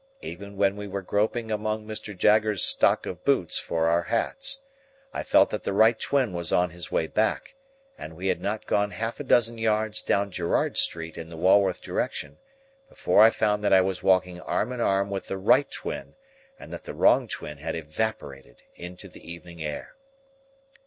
Even when we were groping among Mr. Jaggers's stock of boots for our hats, I felt that the right twin was on his way back; and we had not gone half a dozen yards down Gerrard Street in the Walworth direction, before I found that I was walking arm in arm with the right twin, and that the wrong twin had evaporated into the evening air.